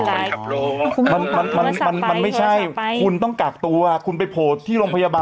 ฉันก็สรุปแล้วหนุ่มโทรไปปังห้ามญาตรฉันก็กลับมาก่อนไงหนู